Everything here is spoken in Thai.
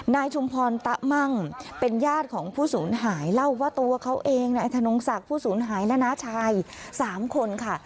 ชุมพรตะมั่งเป็นญาติของผู้สูญหายเล่าว่าตัวเขาเองนายธนงศักดิ์ผู้สูญหายและน้าชาย๓คนค่ะ